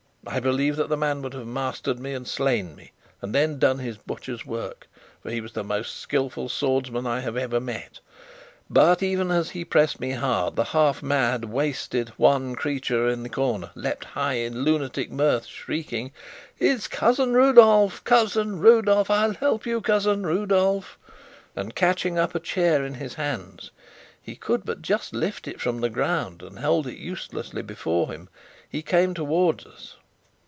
I believe that the man would have mastered me and slain me, and then done his butcher's work, for he was the most skilful swordsman I have ever met; but even as he pressed me hard, the half mad, wasted, wan creature in the corner leapt high in lunatic mirth, shrieking: "It's cousin Rudolf! Cousin Rudolf! I'll help you, cousin Rudolf!" and catching up a chair in his hands (he could but just lift it from the ground and hold it uselessly before him) he came towards us.